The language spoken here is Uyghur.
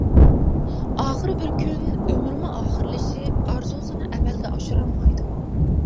ئاخىر بىر كۈن ئۆمرىمۇ ئاخىرلىشىپ، ئارزۇسىنى ئەمەلگە ئاشۇرالمايدۇ.